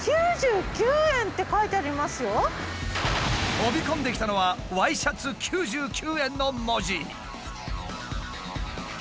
飛び込んできたのは「Ｙシャツ９９円」の文字。